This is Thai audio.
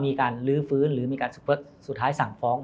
มีการลื้อฟื้นหรือสั่งฟ้อง